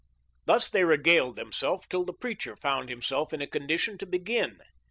Thus they regaled themselves till the preacher found himself in a condition to begin.